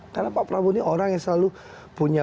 karena pak prabu ini orang yang selalu punya